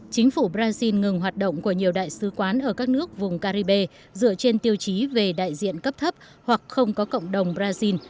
chính phủ brazil ngừng hoạt động của nhiều đại sứ quán ở các nước vùng caribe dựa trên tiêu chí về đại diện cấp thấp hoặc không có cộng đồng brazil